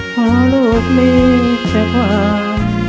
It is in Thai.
เพราะลูกมีแต่ความ